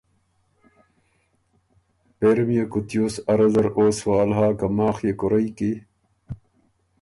پېری ميې کُوتیوس اره زر او سوال هۀ که ماخ يې کُورئ کی